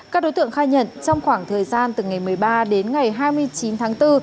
các đối tượng khai nhận trong khoảng thời gian từ ngày một mươi ba đến ngày hai mươi chín tháng bốn